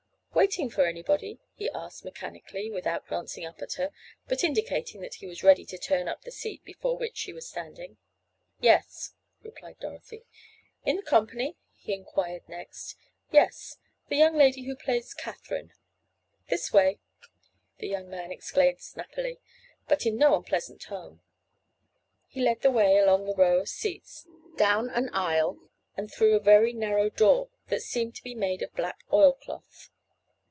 "Waiting for anybody?" he asked mechanically, without glancing up at her, but indicating that he was ready to turn up the seat before which she was standing. "Yes," replied Dorothy. "In the company?" he inquired next. "Yes. The young lady who played Katherine." "This way," the young man exclaimed snappily, but in no unpleasant tone. He led the way along the row of seats, down an isle and through a very narrow door that seemed to be made of black oil cloth.